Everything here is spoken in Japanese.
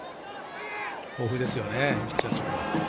豊富ですね、ピッチャー陣。